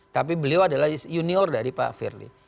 tapi beliau adalah junior dari pak firly